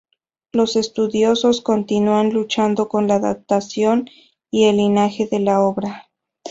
Los estudiosos continúan luchando con la datación y el linaje de la obra.